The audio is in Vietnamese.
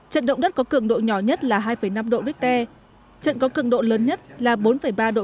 trận động đất có cường độ nhỏ nhất là hai năm độ richter trận có cường độ lớn nhất là bốn ba độ